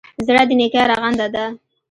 زړه د نېکۍ رغنده ده.